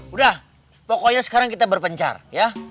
udah pokoknya sekarang kita berpencar ya